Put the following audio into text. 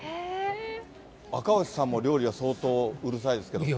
赤星さんも料理は相当うるさいですけど。